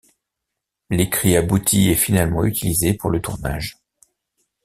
L'écrit abouti est finalement utilisé pour le tournage.